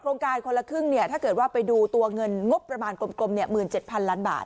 โครงการคนละครึ่งเนี่ยถ้าเกิดว่าไปดูตัวเงินงบประมาณกลม๑๗๐๐ล้านบาท